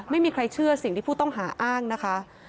ไม่มีใครเชื่อสิ่งที่ผู้ต้องหาอ้างนะคะ